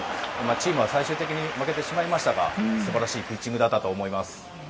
チームは最終的に負けてしまいましたが素晴らしいピッチングだったと思います。